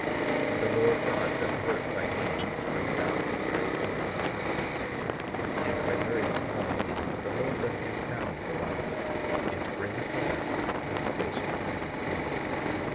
37:7 And the Lord God doth work by means to bring about his great and eternal purposes; and by very small means the Lord doth confound the wise and bringeth about the salvation of many souls.